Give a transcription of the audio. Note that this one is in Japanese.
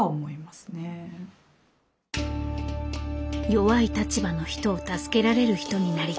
弱い立場の人を助けられる人になりたい。